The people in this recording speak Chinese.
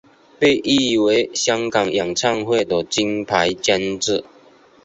被誉为香港演唱会的金牌监制。